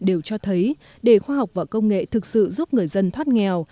đều cho thấy để khoa học và công nghệ thực sự giúp người dân thoát nghèo